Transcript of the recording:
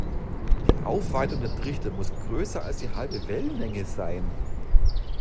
Die Aufweitung der Trichter muss größer als die halbe Wellenlänge sein.